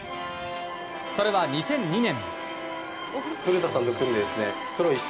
それは、２００２年。